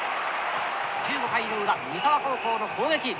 １５回の裏三沢高校の攻撃。